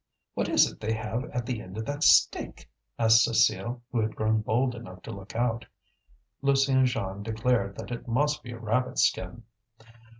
"What is it they have at the end of that stick?" asked Cécile, who had grown bold enough to look out. Lucie and Jeanne declared that it must be a rabbit skin.